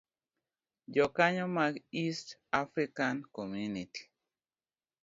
Jokanyo mag East African Community